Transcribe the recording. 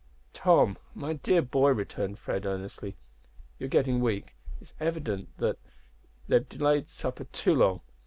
"Tom, my dear boy," returned Fred, earnestly, "you are getting weak. It is evident that they have delayed supper too long.